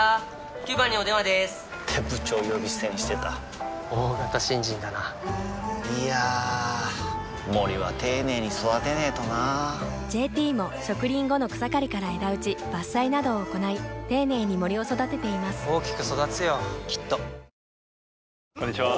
９番にお電話でーす！って部長呼び捨てにしてた大型新人だないやー森は丁寧に育てないとな「ＪＴ」も植林後の草刈りから枝打ち伐採などを行い丁寧に森を育てています大きく育つよきっとこんにちは。